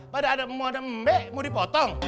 pada mau ada mbek mau dipotong